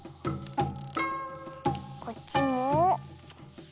こっちも。